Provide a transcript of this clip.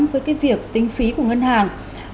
với cái việc tính phí của ngân hàng